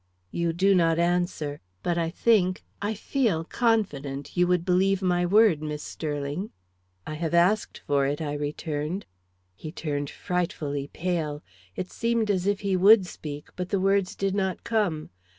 "You no not answer; but I think, I feel confident you would believe my word, Miss Sterling." "I have asked for it," I returned. He turned frightfully pale; it seemed as if he would speak, but the words did not come.